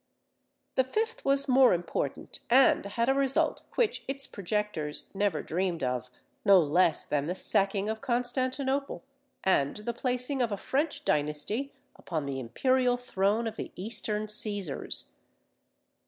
The fifth was more important, and had a result which its projectors never dreamed of no less than the sacking of Constantinople, and the placing of a French dynasty upon the imperial throne of the eastern Cæsars.